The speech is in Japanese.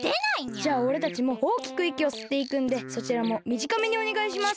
じゃあおれたちもおおきくいきをすっていくんでそちらもみじかめにおねがいします。